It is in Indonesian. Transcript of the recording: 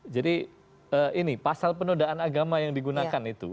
jadi ini pasal penodaan agama yang digunakan itu